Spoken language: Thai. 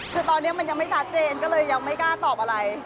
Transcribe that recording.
คือตอนนี้มันยังไม่ชัดเจนก็เลยยังไม่กล้าตอบอะไร